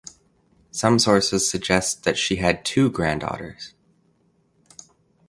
Some sources suggest that she had two granddaughters.